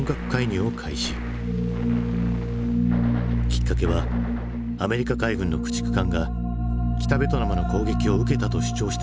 きっかけはアメリカ海軍の駆逐艦が北ベトナムの攻撃を受けたと主張した事件。